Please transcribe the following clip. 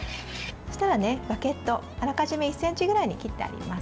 バゲットあらかじめ１ｃｍぐらいに切ってあります。